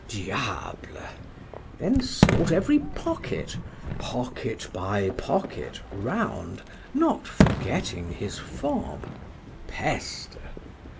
—Diable! then sought every pocket—pocket by pocket, round, not forgetting his fob:—Peste!